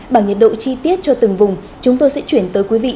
bằng nhiệt độ chi tiết cho từng vùng chúng tôi sẽ chuyển tới quý vị